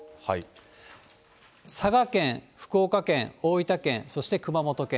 佐賀県、福岡県、大分県、そして熊本県。